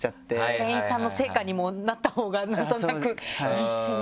店員さんの成果にもなったほうがなんとなくいいしね